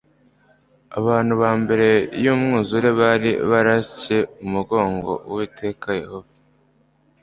Abantu ba mbere y'umwuzure bari baratcye umugongo Uwiteka Yehova,